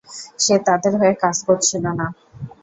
সে তাদের হয়ে কাজ করছিল না।